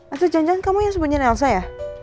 atau jangan jangan kamu yang sembunyian elsa ya